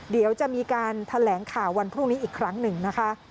เดี๋ยวจะมีการแถลงข่าววันพรุ่งนี้อีกครั้งหนึ่งนะคะ